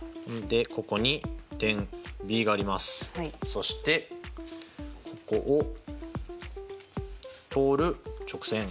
そしてここを通る直線。